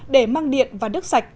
để mang điện và đất sạch